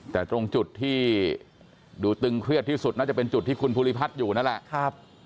แต่ตรงจุดที่ดูตึงเครียดที่สุดน่าจะเป็นจุดที่คุณภูริพัฒน์อยู่นั่นแหละ